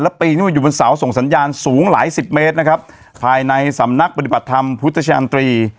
แล้วปีนี้มันอยู่บนเสาส่งสัญญาณสูงหลายสิบเมตรนะครับภายในสำนักปฏิบัติธรรมพุทธชะยันตรี